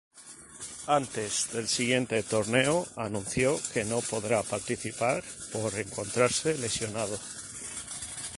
Antes del siguiente torneo anunció que no podría participar por encontrarse lesionado.